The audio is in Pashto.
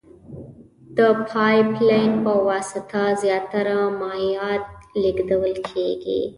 د پایپ لین په واسطه زیاتره مایعات لېږدول کیږي.